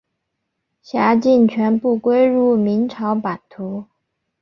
辖境全部归入明朝版图。